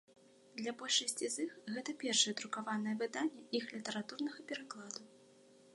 Для большасці з іх гэта першае друкаванае выданне іх літаратурнага перакладу.